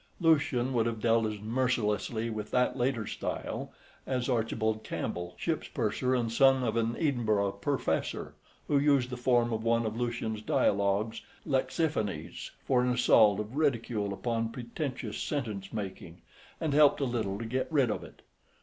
Lucian would have dealt as mercilessly with that later style as Archibald Campbell, ship's purser and son of an Edinburgh Professor, who used the form of one of Lucian's dialogues, "Lexiphanes," for an assault of ridicule upon pretentious sentence making, and helped a little to get rid of it.